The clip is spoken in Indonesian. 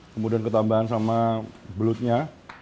kemudian ketambahan sama belutnya